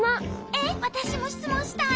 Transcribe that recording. えっわたしもしつもんしたい！